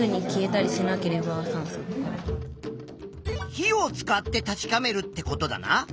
火を使って確かめるってことだな。